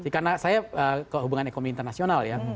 karena saya ke hubungan ekonomi internasional ya